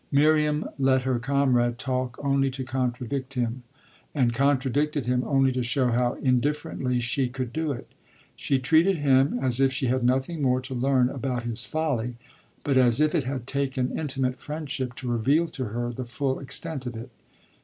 Miriam let her comrade talk only to contradict him, and contradicted him only to show how indifferently she could do it. She treated him as if she had nothing more to learn about his folly, but as if it had taken intimate friendship to reveal to her the full extent of it.